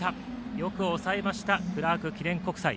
よく抑えましたクラーク記念国際。